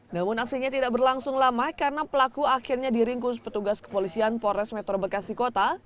namun aksinya tidak berlangsung lama karena pelaku akhirnya diringkus petugas kepolisian polres metro bekasi kota